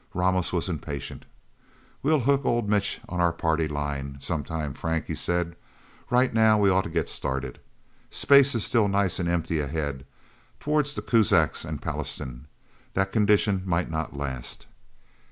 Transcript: Ramos was impatient. "We'll hook old Mitch on our party line, sometime, Frank," he said. "Right now we ought to get started. Space is still nice and empty ahead, toward the Kuzaks and Pallastown. That condition might not last...